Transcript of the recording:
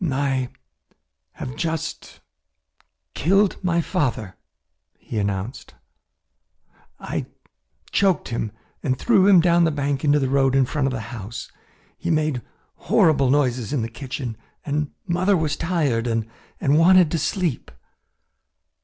"I have just killed my father," he announced. "I choked him and threw him down the bank into the road in front of the house. He made horrible noises in the kitchen and mother was tired and wanted to sleep."